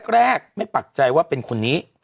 แรกไม่ปักใจว่าเป็นคนนี้